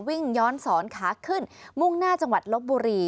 วิ่งย้อนสอนขาขึ้นมุ่งหน้าจังหวัดลบบุรี